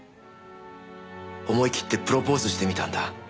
思い切ってプロポーズしてみたんだ。